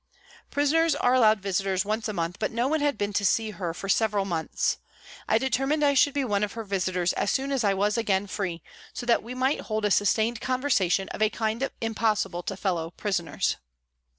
Prisoners are allowed visitors once a month, but no one had been to see her for several months. I determined I should be one of her visitors as soon as I was again free, so that we might hold a sustained conversation of a kind impossible to fellow prisoners.